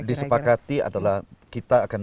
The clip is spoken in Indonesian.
disepakati adalah kita akan